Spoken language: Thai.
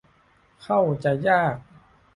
เข้าใจยาก